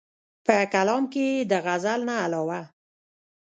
پۀ کلام کښې ئې د غزل نه علاوه